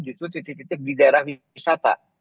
justru titik titik di daerah wisata